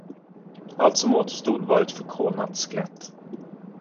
Allt som återstod var ett förkolnat skelett.